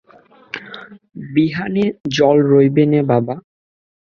বিহানে জল রইবে নি বাবা?